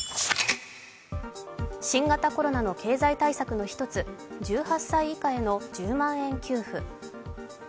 新型コロナの経済対策の一つ１８歳以下への１０万円給付。